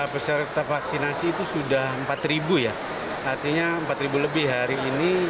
peserta vaksinasi itu sudah empat ribu ya artinya empat lebih hari ini